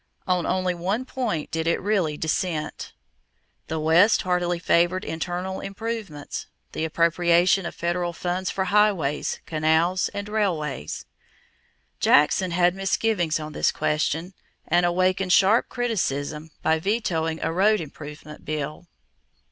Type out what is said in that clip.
On only one point did it really dissent. The West heartily favored internal improvements, the appropriation of federal funds for highways, canals, and railways. Jackson had misgivings on this question and awakened sharp criticism by vetoing a road improvement bill.